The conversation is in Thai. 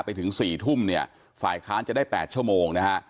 ไปถึง๔ทุ่มเนี่ยฝ่ายค้านจะได้๘ชั่วโมงนะฮะ